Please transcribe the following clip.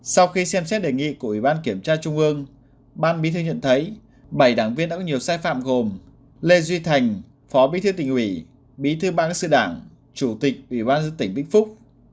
sau khi xem xét đề nghị của ủy ban kiểm tra trung ương ban bí thư nhận thấy bảy đảng viên đã có nhiều sai phạm gồm lê duy thành phó bí thư tỉnh ủy bí thư ban sự đảng chủ tịch ủy ban dân tỉnh vĩnh phúc